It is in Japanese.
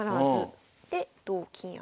で同金上。